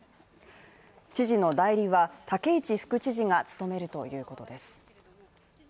知事の代理は武市副知事が務めるということです。